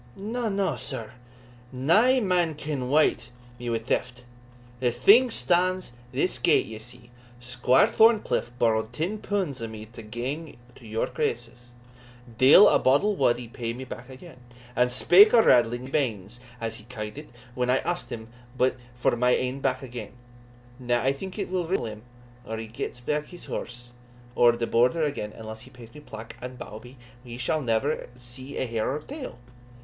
"Na, na, sir nae man can wyte me wi' theft. The thing stands this gate, ye see. Squire Thorncliff borrowed ten punds o' me to gang to York Races deil a boddle wad he pay me back again, and spake o' raddling my banes, as he ca'd it, when I asked him but for my ain back again; now I think it will riddle him or he gets his horse ower the Border again unless he pays me plack and bawbee, he sall never see a hair o' her tail.